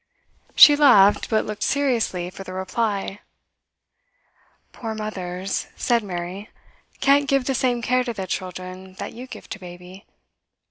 She laughed, but looked seriously for the reply. 'Poor mothers,' said Mary, 'can't give the same care to their children that you give to baby.